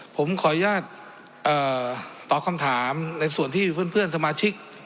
ผมขออนุญาตตอบคำถามในส่วนที่เพื่อนสมาชิก